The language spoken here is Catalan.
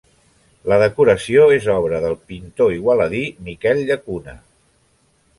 La decoració és obra del pintor igualadí Miquel Llacuna.